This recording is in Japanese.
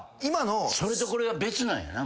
それとこれは別なんやな。